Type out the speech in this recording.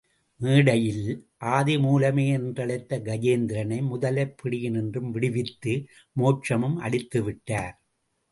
மேடையில், ஆதிமூலமே என்றழைத்த கஜேந்திரனை முதலைப் பிடியினின்றும் விடுவித்து மோக்ஷமும் அளித்து விட்டார்.